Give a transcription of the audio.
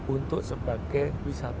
untuk sebagai wisata tadi